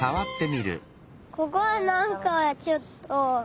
ここはなんかちょっと。